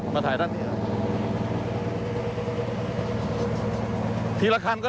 ไปเลย